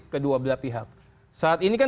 kedua belah pihak saat ini kan